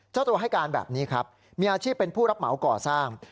เจ้าตัวให้การแบบนี้ครับมีอาชีพเป็นผู้รับเหมาก่อสร้าง